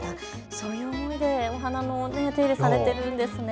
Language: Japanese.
そういう思いでお花を手入れされているんですね。